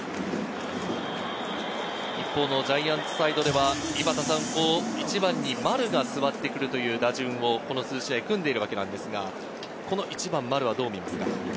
ジャイアンツサイドでは１番に丸が座ってくるという打順をこの試合、組んでいるわけですが、１番・丸をどう見ますか？